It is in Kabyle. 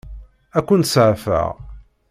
Ad ken-seɛfeɣ?